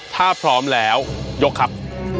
ถ้าพร้อมแล้วยกครับ